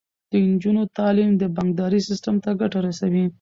د نجونو تعلیم د بانکدارۍ سیستم ته ګټه رسوي.